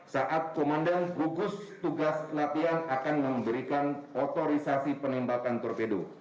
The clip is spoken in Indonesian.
saat komandan gugus tugas latihan akan memberikan otorisasi penembakan torpedo